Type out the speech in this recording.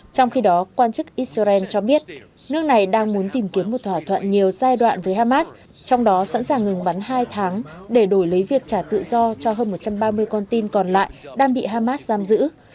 trong khi đó quan chức israel cho biết nước này đang muốn tìm kiếm một thỏa thuận nhiều giai đoạn với hamas trong đó sẵn sàng ngừng bắn hai tháng để đổi lấy việc trả tự do cho hơn một trăm ba mươi con tin còn lại đang bị hamas giam giữ